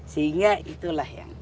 sehingga itulah yang